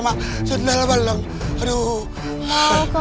mana dibungkang bangku